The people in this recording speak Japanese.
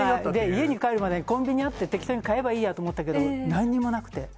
家に帰る前にコンビニ行って適当に買えばいいやと思ったけど、なんにもなくて。